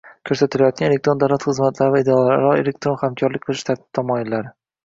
ko‘rsatilayotgan elektron davlat xizmatlari va idoralararo elektron hamkorlik qilish tartib-taomillari